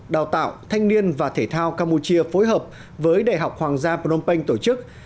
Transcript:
đào tạo thanh niên và thể thao campuchia phối hợp với đại học hoàng gia phnom penh tổ chức